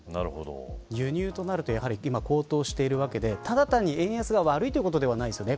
輸入となるとやはり今、高騰しているわけでただ単に円安が悪いということではないですよね。